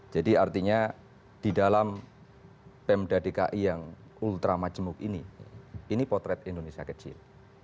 jadi artinya di dalam pemda dki yang ultra majemuk ini ini potret indonesia kecil